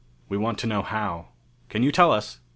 We want to know how. Can you tell us?"